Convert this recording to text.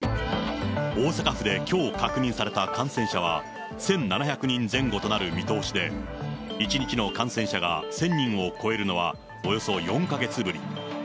大阪府できょう確認された感染者は、１７００人前後となる見通しで、１日の感染者が１０００人を超えるのはおよそ４か月ぶり。